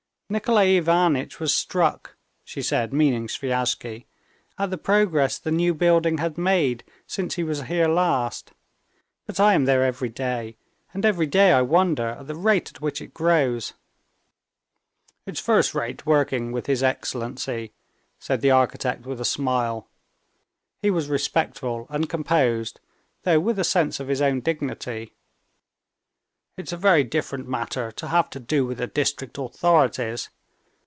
"Nikolay Ivanitch was struck," she said, meaning Sviazhsky, "at the progress the new building had made since he was here last; but I am there every day, and every day I wonder at the rate at which it grows." "It's first rate working with his excellency," said the architect with a smile (he was respectful and composed, though with a sense of his own dignity). "It's a very different matter to have to do with the district authorities.